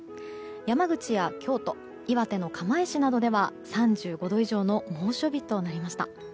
山口や京都、岩手の釜石などでは３５度以上の猛暑日となりました。